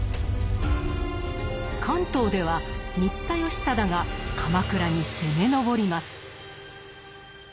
関東では新田義貞が鎌倉に攻め上ります。